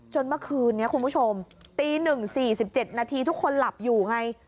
เมื่อคืนนี้คุณผู้ชมตี๑๔๗นาทีทุกคนหลับอยู่ไง